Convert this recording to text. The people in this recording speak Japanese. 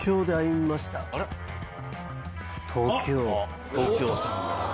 東京！